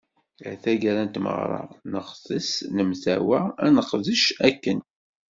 Ar taggara n tmeɣra, neɣtes, nemtawa ad neqdec akken.